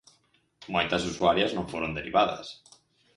Moitas usuarias non foron derivadas.